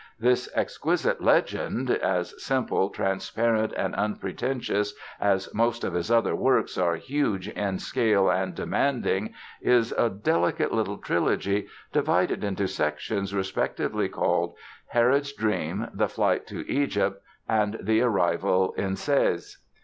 This exquisite "legend", as simple, transparent and unpretentious as most of his other works are huge in scale and demanding, is a delicate little trilogy divided into sections respectively called "Herod's Dream", "The Flight to Egypt" and "The Arrival in Sais".